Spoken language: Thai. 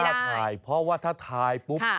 ผมไม่กล้าถ่ายเพราะว่าถ้าถ่ายปุ๊บ